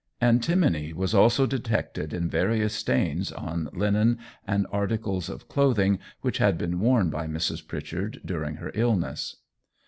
Antimony was also detected in various stains on linen and articles of clothing, which had been worn by Mrs. Pritchard during her illness.